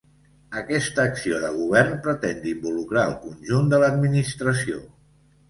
Aquesta acció de govern pretén d’involucrar el conjunt de l’administració.